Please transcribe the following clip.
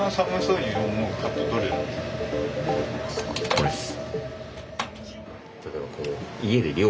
これっす。